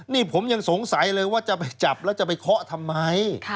นี่ผมยังสงสัยเลยว่าจะไปจับแล้วจะไปเคาะทำไม